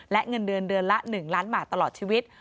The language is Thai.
และเงินเดือนเดือนละ๑ล้านบาทตลอดชีวิต